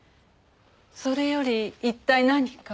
それより一体何か？